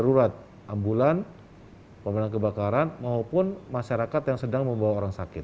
darurat ambulan pemenang kebakaran maupun masyarakat yang sedang membawa orang sakit